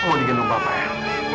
mau digendong papa ya